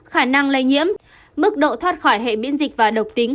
khả năng lây nhiễm mức độ thoát khỏi hệ biễn dịch và độc tính